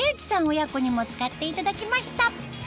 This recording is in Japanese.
親子にも使っていただきました